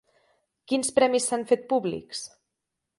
Quins premis s'han fet públics?